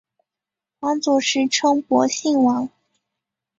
皇族时称博信王。